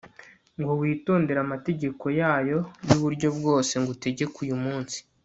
ngo witondere amategeko yayo yuburyo bwose ngutegeka uyu munsi